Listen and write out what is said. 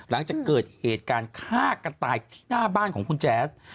หลังจากเกิดเหตุการณ์ฆ่ากันตายที่หน้าบ้านของคุณแจ๊ส